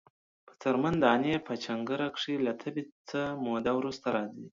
په څرمن دانی په جنکره کښی له تبی څه موده وروسته راځی۔